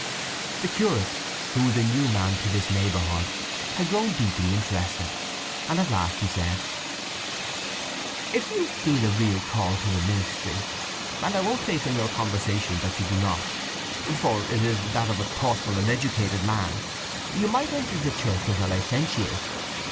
The curate, who was a new man to this neighbourhood, had grown deeply interested, and at last he said: "If you feel a real call to the ministry, and I won't say from your conversation that you do not, for it is that of a thoughtful and educated man, you might enter the Church as a licentiate.